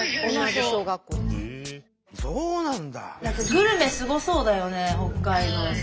グルメすごそうだよね北海道さ。